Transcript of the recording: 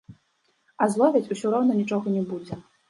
А зловяць, усё роўна нічога не будзе.